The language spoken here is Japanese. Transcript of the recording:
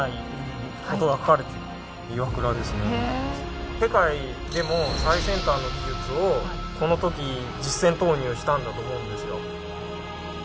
ちょっと世界でも最先端の技術をこの時実戦投入したんだと思うんですよ。